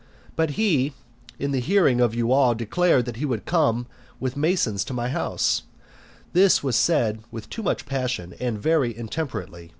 But he, in the hearing of you all, declared that he would come with masons to my house; this was said with too much passion and very intemperately.